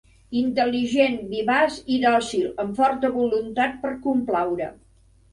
Intel·ligent, vivaç i dòcil, amb forta voluntat per complaure.